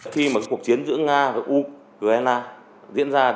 khi mà cuộc chiến giữa nga và úc u n a diễn ra